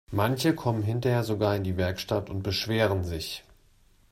Manche kommen hinterher sogar in die Werkstatt und beschweren sich.